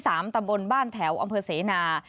ตำบลบ้านแถวอำเภอเสนา